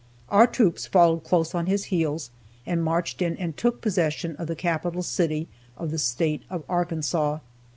Our troops followed close on his heels, and marched in and took possession of the capital city of the State of Arkansas.